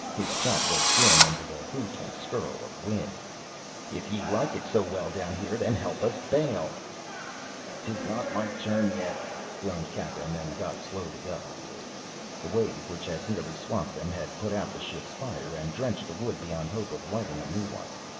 His shout was dim under the hoot and skirl of wind: "If ye like it so well down here, then help us bail!" "'Tis not yet my turn," groaned Cappen, and got slowly up. The wave which had nearly swamped them had put out the ship's fire and drenched the wood beyond hope of lighting a new one.